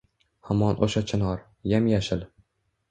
Hamon o’sha chinor — yam-yashil